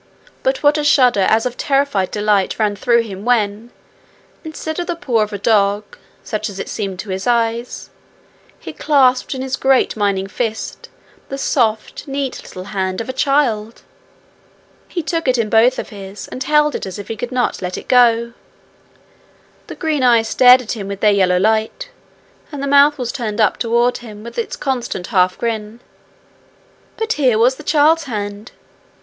But what a shudder, as of terrified delight, ran through him, when, instead of the paw of a dog, such as it seemed to his eyes, he clasped in his great mining fist the soft, neat little hand of a child! He took it in both of his, and held it as if he could not let it go. The green eyes stared at him with their yellow light, and the mouth was turned up toward him with its constant half grin; but here was the child's hand!